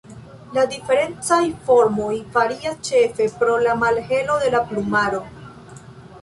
La diferencaj formoj varias ĉefe pro la malhelo de la plumaro.